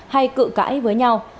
hay cự cãi với nhau